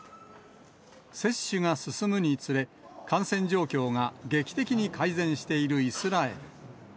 接種が進むにつれ、感染状況が劇的に改善しているイスラエル。